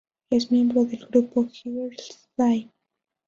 Es miembro del grupo Girl's Day.